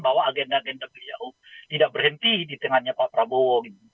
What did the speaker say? bahwa agenda agenda beliau tidak berhenti di tengahnya pak prabowo